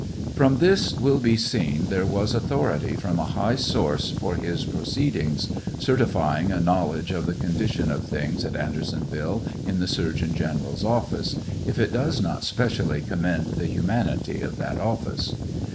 From this will be seen there was authority from a high source for his proceed ings, certifying a knowledge of the condition of things at Andersonville in the surgeon general's office, if it does not specially commend the humanity of that office.